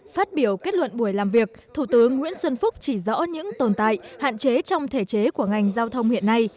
phát biểu kết luận buổi làm việc thủ tướng nguyễn xuân phúc chỉ rõ những tồn tại hạn chế trong thể chế của ngành giao thông hiện nay